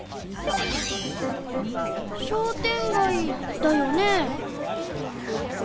商店街だよね？